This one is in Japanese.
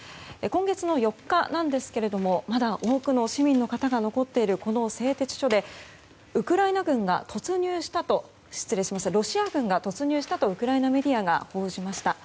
今月の４日なんですけれどもまだ多くの市民の方が残っているこの製鉄所でロシア軍が突入したとウクライナメディアが報じました。